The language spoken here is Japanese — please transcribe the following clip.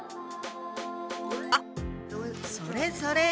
あっそれそれ！